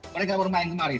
mereka bermain kemarin